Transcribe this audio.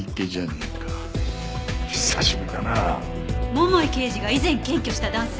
桃井刑事が以前検挙した男性？